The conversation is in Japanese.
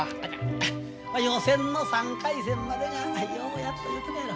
予選の３回戦までにはようやっと行くのやろ。